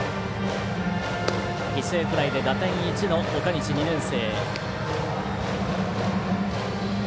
犠牲フライで打点１の岡西、２年生。